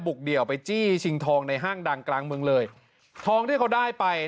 เดี่ยวไปจี้ชิงทองในห้างดังกลางเมืองเลยทองที่เขาได้ไป